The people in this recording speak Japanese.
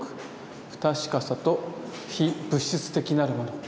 不確かさと非物質的なるもの」。